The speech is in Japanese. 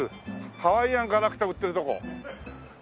ハワイアンガラクタ売ってるとこ。